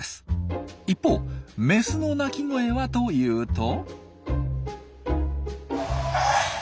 一方メスの鳴き声はというと。